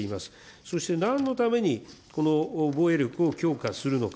そして、なんのために、この防衛力を強化するのか。